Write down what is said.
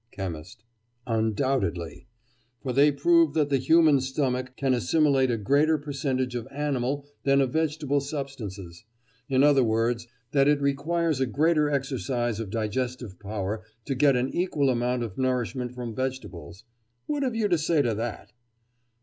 CHEMIST: Undoubtedly. For they prove that the human stomach can assimilate a greater percentage of animal than of vegetable substances; in other words, that it requires a greater exercise of digestive power to get an equal amount of nourishment from vegetables. What have you to say to that?